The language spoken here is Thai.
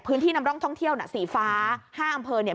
พื้นที่นำร่องท่องเที่ยวน่ะสีฟ้า๕อำเภอเนี่ย